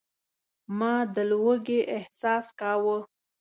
ما د لوږې احساس کاوه.